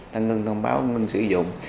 ta ngưng thông báo ngưng sử dụng